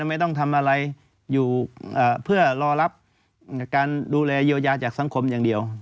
ไม่ต้องทำอะไรอยู่เพื่อรอรับการดูแลเยียวยาจากสังคมอย่างเดียว